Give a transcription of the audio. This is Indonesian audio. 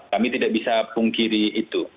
kami tidak bisa pungkiri itu